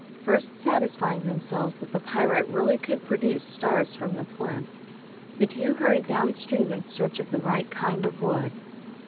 First satisfying themselves that the pyrites really could produce "stars" from the flint, the two hurried down stream, in search of the right kind of wood.